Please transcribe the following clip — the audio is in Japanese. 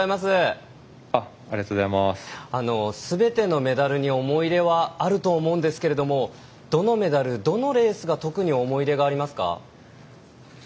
すべてのメダルに思い入れはあると思うんですけどどのメダル、どのレースが特に思い入れがありますか？